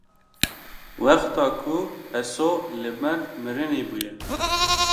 wexta ku Heso li ber mirinê bûye